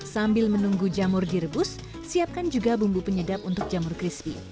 sambil menunggu jamur direbus siapkan juga bumbu penyedap untuk jamur crispy